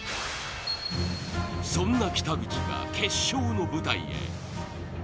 そんな北口が決勝の舞台へ。